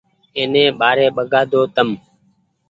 ايني ٻآري ٻگآۮو تم